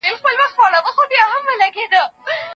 بهرنۍ پالیسي ډاډمنه لار ده.